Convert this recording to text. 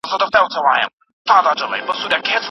اوس مي پر لکړه هغه لاري ستړي کړي دي